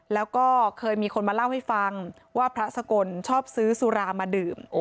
แล้วก็เคยมีคนมาเล่าให้ฟังว่าพระสกลชอบซื้อสุรามาดื่ม